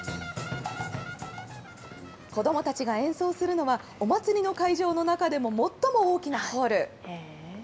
子どもたちが演奏するのは、お祭りの会場の中でも最も大きなホール。